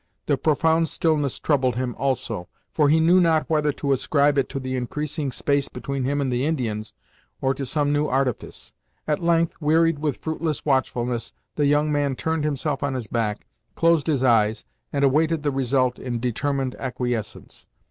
The profound stillness troubled him also, for he knew not whether to ascribe it to the increasing space between him and the Indians, or to some new artifice. At length, wearied with fruitless watchfulness, the young man turned himself on his back, closed his eyes, and awaited the result in determined acquiescence.